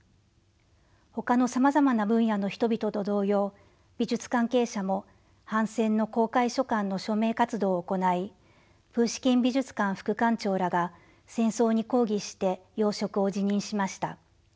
ほかのさまざまな分野の人々と同様美術関係者も反戦の公開書簡の署名活動を行いプーシキン美術館副館長らが戦争に抗議して要職を辞任しました。